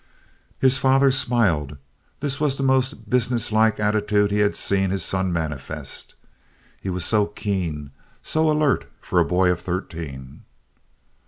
His father smiled. This was the most business like attitude he had seen his son manifest. He was so keen, so alert for a boy of thirteen.